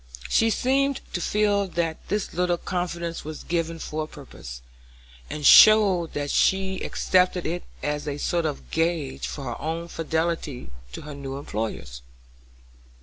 She seemed to feel that this little confidence was given for a purpose, and showed that she accepted it as a sort of gage for her own fidelity to her new employers.